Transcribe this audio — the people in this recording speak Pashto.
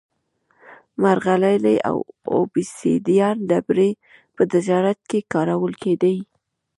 مرغلرې او اوبسیدیان ډبرې په تجارت کې کارول کېدې